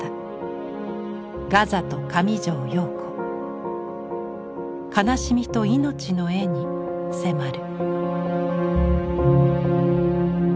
ガザと上條陽子悲しみと命の絵に迫る。